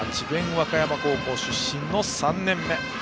和歌山高校出身の３年目。